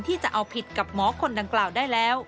จะเอาผิดกับหมอคนดังกล่าวได้แล้ว